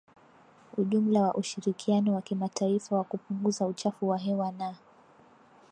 ujumla za ushirikiano wa kimataifa wa kupunguza uchafuzi wa hewa na